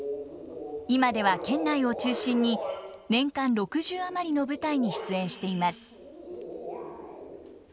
今では県内を中心に年間６０余りの舞台に出演しています。